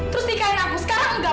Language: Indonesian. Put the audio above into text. terus nikahi aku sekarang tidak